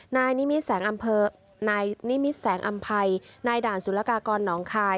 นายนิมิตแสงอำภัยนายด่านสุรกากรน้องคาย